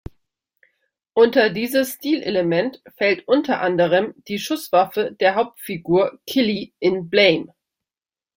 Unter dieses Stilelement fällt unter anderem die Schusswaffe der Hauptfigur Killy in Blame!